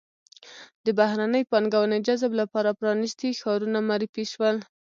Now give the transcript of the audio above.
د بهرنۍ پانګونې جذب لپاره پرانیستي ښارونه معرفي شول.